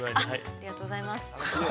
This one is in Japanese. ◆ありがとうございます。